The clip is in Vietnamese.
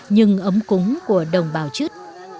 nhưng ấm cúng của đồng bào chứt